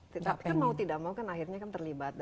tapi kan mau tidak mau kan akhirnya kan terlibat